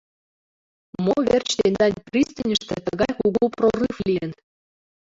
— Мо верч тендан пристаньыште тыгай кугу прорыв лийын?